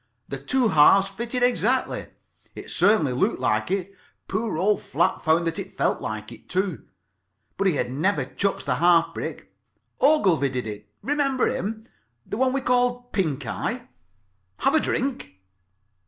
The two halves fitted exactly. It certainly looked like it. [Pg 2]Poor old Flap found that it felt like it, too. But he had never chucked that half brick. Ogilvie did it. Remember him? The one we called Pink eye. Have a drink?